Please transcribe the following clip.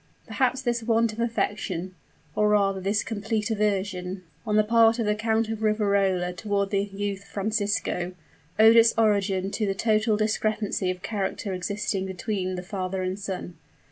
Perhaps this want of affection or rather this complete aversion on the part of the Count of Riverola toward the young Francisco, owed its origin to the total discrepancy of character existing between the father and son.